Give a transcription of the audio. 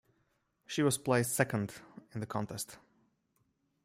She was placed second in the contest.